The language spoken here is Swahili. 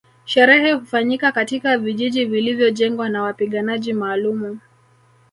Sherehe hufanyika katika vijiji vilivyojengwa na wapiganaji maalumu